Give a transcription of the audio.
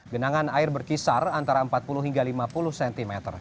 genangan air berkisar antara empat puluh hingga lima puluh cm